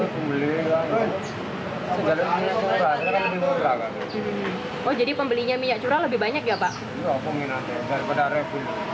ya peminatnya daripada revil